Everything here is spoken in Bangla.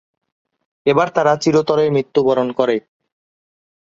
এবার তারা চিরতরে মৃত্যুবরণ করে।